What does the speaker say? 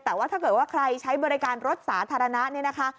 แต่ว่าถ้าเกิดว่าใครใช้บริการรถสาธารณะนี่นะคะ